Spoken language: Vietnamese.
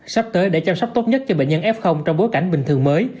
sắp tới để chăm sóc tốt nhất cho bệnh nhân f trong bối cảnh bình thường mới